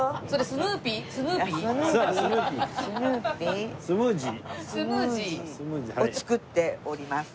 スムージー。を作っております。